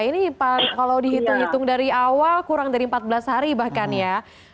ini kalau dihitung hitung dari awal kurang dari empat belas hari bahkan ya